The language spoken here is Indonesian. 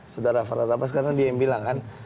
sudara farah dabas karena dia yang bilang kan